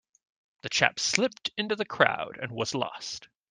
The chap slipped into the crowd and was lost.